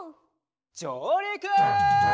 じょうりく！